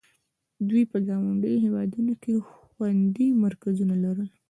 دوی په ګاونډیو هېوادونو کې خوندي مرکزونه لرل.